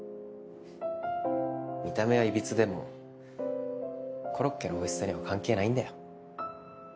見た目はいびつでもコロッケの美味しさには関係ないんだよ。